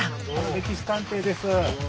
「歴史探偵」です。